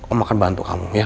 om akan bantu kamu ya